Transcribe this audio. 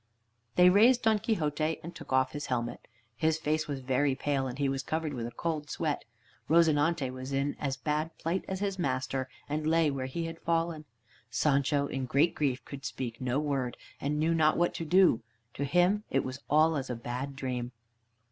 They raised Don Quixote and took off his helmet. His face was very pale, and he was covered with a cold sweat. "Rozinante" was in as bad plight as his master, and lay where he had fallen. Sancho, in great grief, could speak no word, and knew not what to do; to him it was all as a bad dream.